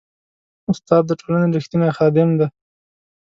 استاد د ټولنې ریښتینی خادم دی.